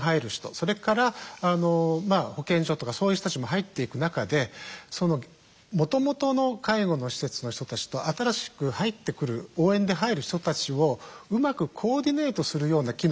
それから保健所とかそういう人たちも入っていく中でもともとの介護の施設の人たちと新しく応援で入る人たちをうまくコーディネートするような機能が必要なんですね。